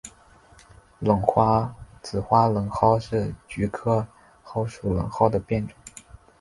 紫花冷蒿是菊科蒿属冷蒿的变种。